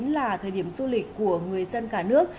là thời điểm du lịch của người dân cả nước